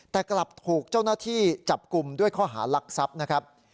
แต่กลับถูกเจ้าหน้าที่จับกลุ่มด้วยข้อหารักทรัพย์นะครับ